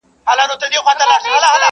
منځ کي پروت یې زما د سپینو ایینو ښار دی،